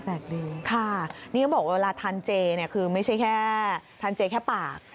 ค่ะนี่เขาบอกว่าเวลาทานเจคือไม่ใช่แค่ทานเจแค่ปาก